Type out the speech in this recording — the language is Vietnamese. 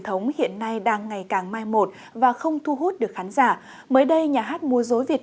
thống hiện nay đang ngày càng mai một và không thu hút được khán giả mới đây nhà hát mua dối việt